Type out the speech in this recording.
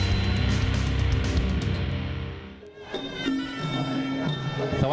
อาการเลยว่างที่จะรักษาแล้ว